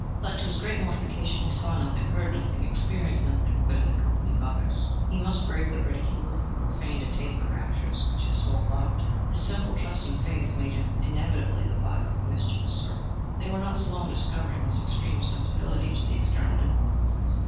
But, to his great mortification, he saw nothing, heard nothing, experienced nothing but in the company of others. He must brave the ridicule of the profane to taste the raptures which his soul loved. His simple, trusting faith made him inevitably the butt of the mischievous circle. They were not slow in discovering his extreme sensibility to external influences.